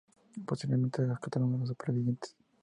Posteriormente rescataron a los supervivientes.